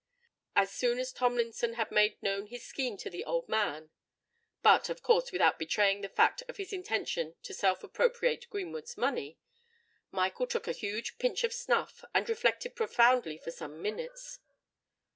As soon as Tomlinson had made known his scheme to the old man—(but, of course, without betraying the fact of his intention to self appropriate Greenwood's money)—Michael took a huge pinch of snuff, and reflected profoundly for some minutes.